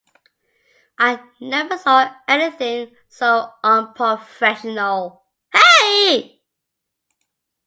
I never saw anything so unprofessional.